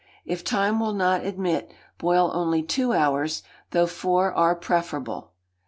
If time will not admit, boil only two hours, though four are preferable.